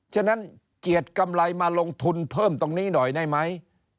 ฉะนั้นเกียรติกำไรมาลงทุนเพิ่มตรงนี้หน่อยได้ไหม